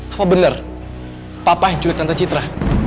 apa bener papa yang culet tante citra